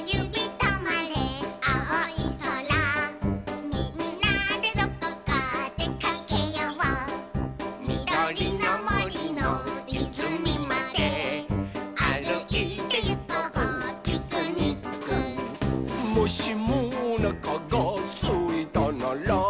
とまれあおいそら」「みんなでどこかでかけよう」「みどりのもりのいずみまであるいてゆこうピクニック」「もしもおなかがすいたなら」